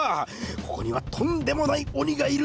ここにはとんでもない鬼がいる！